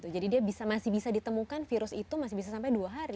jadi dia masih bisa ditemukan virus itu masih bisa sampai dua hari